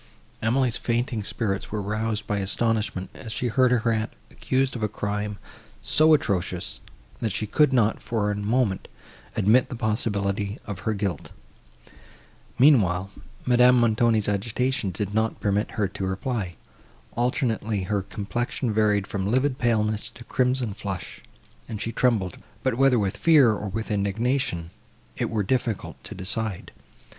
Emily's fainting spirits were roused by astonishment, as she heard her aunt accused of a crime so atrocious, and she could not, for a moment, admit the possibility of her guilt. Meanwhile Madame Montoni's agitation did not permit her to reply; alternately her complexion varied from livid paleness to a crimson flush; and she trembled,—but, whether with fear, or with indignation, it were difficult to decide.